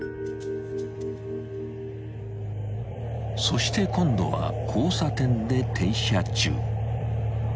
［そして今度は交差点で停車中］